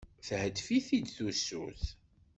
Theddef-it-id tusut.